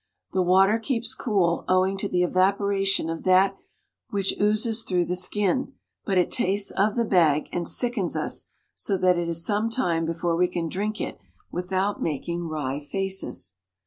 The water keeps cool, owing to the evaporation of that which oozes through the skin, but it tastes of the bag and sick ens us so that it is some time before we can drink it without making wry faces.